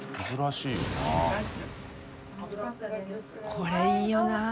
これいいよな。